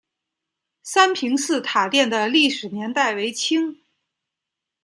三平寺塔殿的历史年代为清。